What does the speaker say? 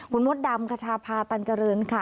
คุณมดดำคชาพาตันเจริญค่ะ